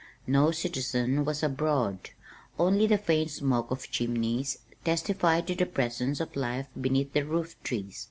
No citizen was abroad, only the faint smoke of chimneys testified to the presence of life beneath the roof trees.